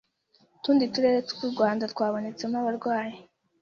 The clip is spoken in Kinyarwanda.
utundi turere tw’u Rwanda twabonetsemo abarwayi